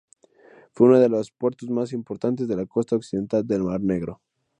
Fue uno de los puertos más importantes de la costa occidental del mar Negro.